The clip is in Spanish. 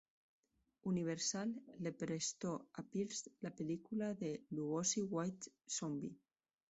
Universal le prestó a Pierce la película de Lugosi White Zombie.